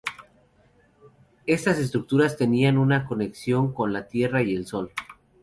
Estas estructuras tenían una conexión con la tierra y el sol.